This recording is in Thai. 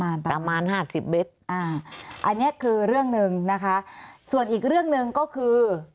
อันนี้คือเรื่องหนึ่งนะคะส่วนอีกเรื่องหนึ่งก็คือ